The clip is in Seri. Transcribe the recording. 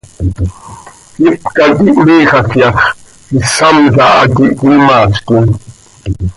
Ipca quih miixaj yax, issamla ha quih cöimaazquim.